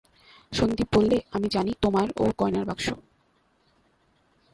সন্দীপ বললে, আমি জানি তোমার ও বাক্স গয়নার বাক্স।